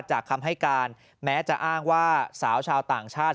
คำให้การแม้จะอ้างว่าสาวชาวต่างชาติ